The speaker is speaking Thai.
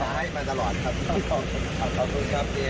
อย่างน้อยนะฮะเขาก็มาเดินทอดทิ้งทั้งช้างทั้งคน